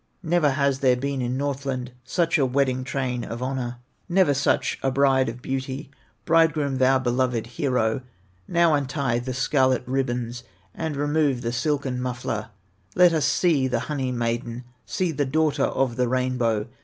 Never has there been in Northland Such a wedding train of honor, Never such a bride of beauty. "Bridegroom, thou beloved hero, Now untie the scarlet ribbons, And remove the silken muffler, Let us see the honey maiden, See the Daughter of the Rainbow.